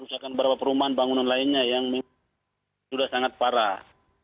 misalkan beberapa perumahan bangunan lainnya yang sudah sangat parah